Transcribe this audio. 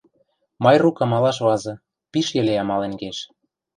Майрук амалаш вазы, пиш йӹле амален кеш